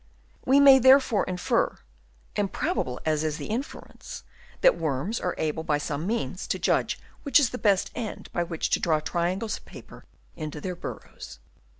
We may therefore infer — improbable as is the inference — that worms are able by some means to judge which is the best end by which to draw triangles of paper into their burrows.